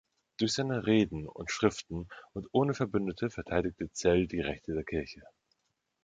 Durch seine Reden und Schriften und ohne Verbündete verteidigte Zell die Rechte der Kirche.